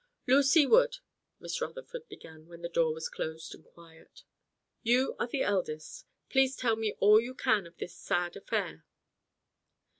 "Lucy Wood," Miss Rutherford began, when the door was closed and quiet, "you are the eldest. Please tell me all you can of this sad affair."